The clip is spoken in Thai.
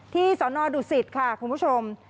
ที่สอนอดุศิษฐ์ค่ะคุณผู้ชม